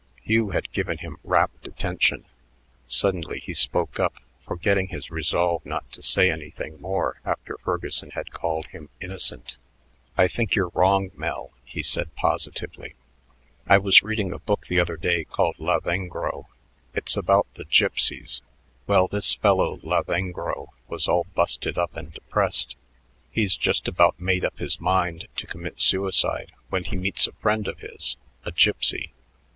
Hugh had given him rapt attention. Suddenly he spoke up, forgetting his resolve not to say anything more after Ferguson had called him "innocent." "I think you're wrong, Mel," he said positively. "I was reading a book the other day called 'Lavengro.' It's all about Gipsies. Well, this fellow Lavengro was all busted up and depressed; he's just about made up his mind to commit suicide when he meets a friend of his, a Gipsy.